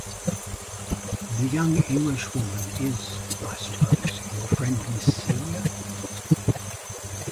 The young Englishwoman is, I suppose, your friend Miss Celia?